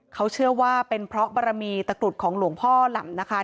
เขาเชื่อว่าเป็นเพราะบารมีตะกรุดของหลวงพ่อหล่ำนะคะ